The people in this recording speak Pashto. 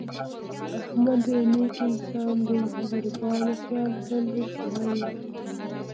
احمد یو نېک انسان دی. د غریبانو خیال تل ورسره وي.